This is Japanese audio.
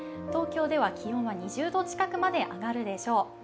東京では気温は２０度近くまで上がるでしょう。